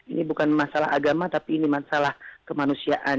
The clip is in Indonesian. ini bukan masalah agama tapi ini masalah kemanusiaan